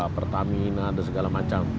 pertamina dan segala macam